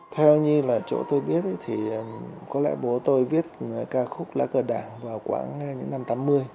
theo như là chỗ tôi biết thì có lẽ bố tôi viết ca khúc lá cờ đảng vào khoảng những năm tám mươi